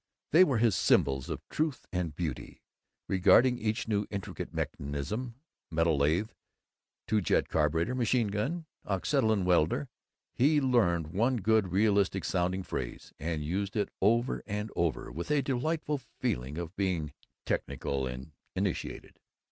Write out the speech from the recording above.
They were his symbols of truth and beauty. Regarding each new intricate mechanism metal lathe, two jet carburetor, machine gun, oxyacetylene welder he learned one good realistic sounding phrase, and used it over and over, with a delightful feeling of being technical and initiated.